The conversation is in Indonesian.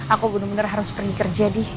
aku bener bener harus pergi kerja di